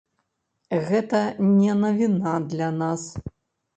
Гэта не навіна для нас.